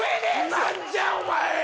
何じゃお前！